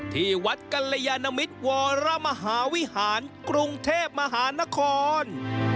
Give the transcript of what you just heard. ที่วัดกัลยานมิตรวรมหาวิหารกรุงเทพมหานคร